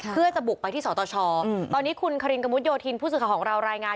เพื่อจะบุกไปที่สตชตอนนี้คุณคกโยธินผู้สื่อของเรา